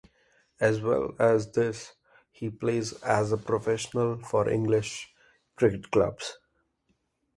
As well as this, he plays as a professional for English cricket clubs.